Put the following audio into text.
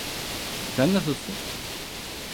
Sen nasıIsın?